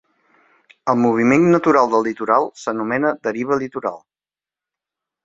El moviment natural del litoral s'anomena deriva litoral.